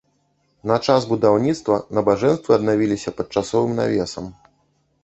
На час будаўніцтва набажэнствы аднавіліся пад часовым навесам.